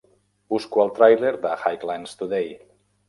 Busco el tràiler de Highlands Today